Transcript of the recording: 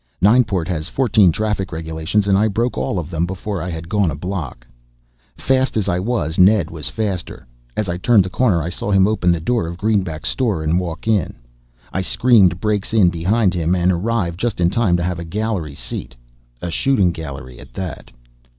Nineport has fourteen traffic regulations and I broke all of them before I had gone a block. Fast as I was, Ned was faster. As I turned the corner I saw him open the door of Greenback's store and walk in. I screamed brakes in behind him and arrived just in time to have a gallery seat. A shooting gallery at that.